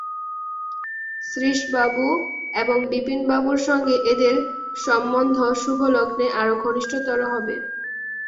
শ্রীশবাবু এবং বিপিনবাবুর সঙ্গে এঁদের সম্বন্ধ শুভলগ্নে আরো ঘনিষ্ঠতর হবে।